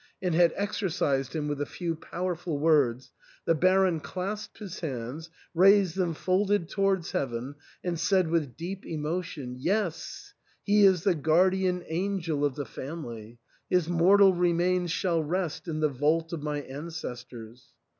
267 and had exorcised him with a few powerful words, the Baron clasped his hands, raised them folded towards Heaven, and said with deep emotion, " Yes, he is the guardian angel of the family. His mortal remains shall rest in the vault of my ancestors."